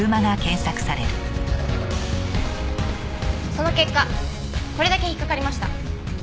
その結果これだけ引っかかりました。